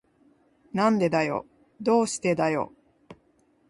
なんでだよ。どうしてだよ。